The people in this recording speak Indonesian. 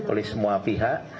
oleh semua pihak